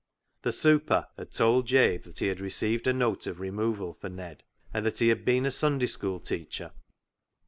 The " super " had told Jabe that he had received a note of removal for Ned, and that he had been a Sunday School teacher.